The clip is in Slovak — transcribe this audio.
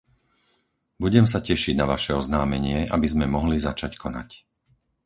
Budem sa tešiť na vaše oznámenie, aby sme mohli začať konať.